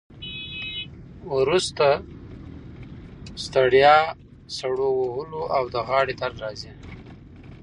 وروسته ستړیا، سړو وهلو او د غاړې درد راځي.